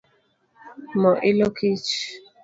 Mo ilo kich